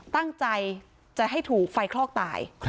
ตั้งใจจะให้ถูกไฟคลอกตาย